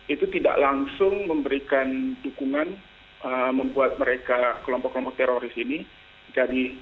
itu tidak langsung memberikan dukungan membuat mereka kelompok kelompok teroris ini jadi